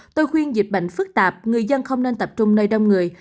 tôi khuyên dịch bệnh phức tạp người dân không nên tập trung nơi đông người